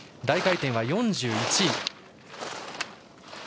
大回転は４１位。